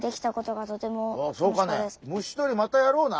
虫とりまたやろうな。